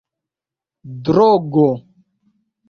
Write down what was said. drogo